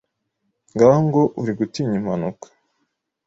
ngaho ngo uri gutinya impanuka.